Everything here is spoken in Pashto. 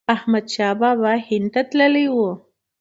احمد شاه بابا هند ته تللی و.